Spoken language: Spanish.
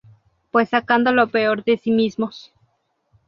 Pues sacando lo peor de sí mismos.